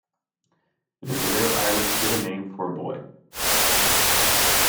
It is a rare Irish given name for a boy.